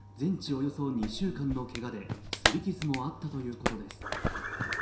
およそ２週間のけがで、擦り傷もあったということです。